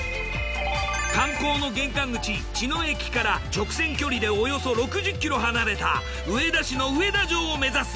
観光の玄関口茅野駅から直線距離でおよそ６０ｋｍ離れた上田市の上田城を目指す。